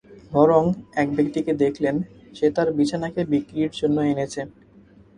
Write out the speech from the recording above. বরং এক ব্যক্তিকে দেখলেন, সে তার বিছানাকে বিক্রির জন্য এনেছে।